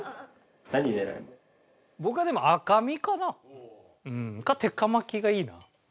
僕はでも赤身かな。か鉄火巻きがいいな。